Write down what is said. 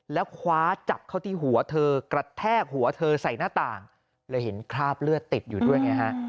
แล้วคว้าจับเข้าที่หัวเธอกระแทกหัวเธอใส่หน้าต่างเลยเห็นคราบเลือดติดอยู่ด้วยไงฮะ